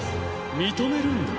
認めるんだ。